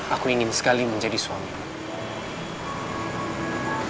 aku ingin sekali menjadi suami